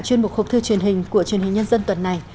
chuyên mục hộp thư truyền hình của truyền hình nhân dân tuần này